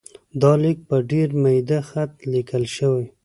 دا لیک په ډېر میده خط لیکل شوی.